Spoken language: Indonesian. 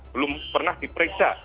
belum pernah diperiksa